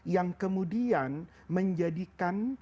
yang kemudian menjadikan